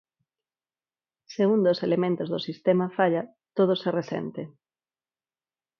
Se un dos elementos do sistema falla, todo se resente.